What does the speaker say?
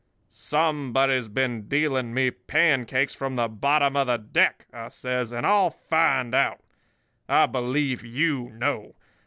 "'Somebody's been dealing me pancakes from the bottom of the deck,' I says, 'and I'll find out. I believe you know.